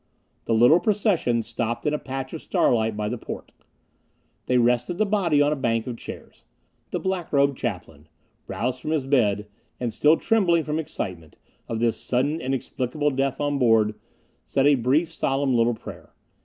The little procession stopped in a patch of starlight by the port. They rested the body on a bank of chairs. The black robed Chaplain, roused from his bed and still trembling from excitement of this sudden, inexplicable death on board, said a brief, solemn little prayer.